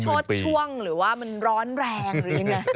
คือไฟลุกชดช่วงหรือว่ามันร้อนแรงหรืออะไร